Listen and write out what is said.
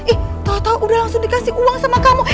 ih tau tau udah langsung dikasih uang sama kamu